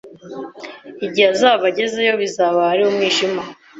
Igihe azaba agezeyo, bizaba ari umwijima.